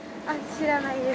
知らないです。